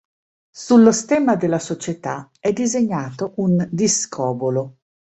Sullo stemma della società è disegnato un discobolo.